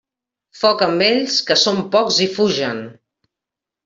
Foc amb ells, que són pocs i fugen.